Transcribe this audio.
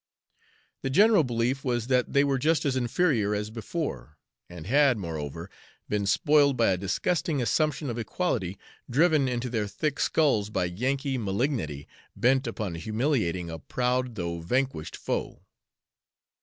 The general belief was that they were just as inferior as before, and had, moreover, been spoiled by a disgusting assumption of equality, driven into their thick skulls by Yankee malignity bent upon humiliating a proud though vanquished foe.